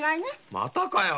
またかよ